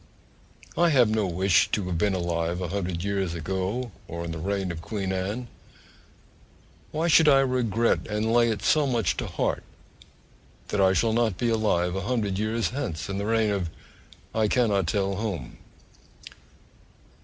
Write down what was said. I have no wish to have been alive a hundred years ago, or in the reign of Queen Anne: why should I regret and lay it so much to heart that I shall not be alive a hundred years hence, in the reign of I cannot tell whom?